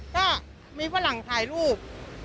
ก็มีฝรั่งถ่ายรูป